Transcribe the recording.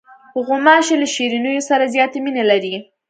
غوماشې له شیرینیو سره زیاتې مینې لري.